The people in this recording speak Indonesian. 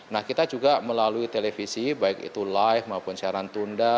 nah kita juga melalui televisi baik itu live maupun siaran tunda